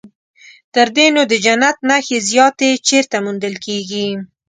تر دې نو د جنت نښې زیاتې چیرته موندل کېږي.